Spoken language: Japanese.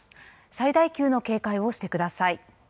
最大級の警戒をしてください。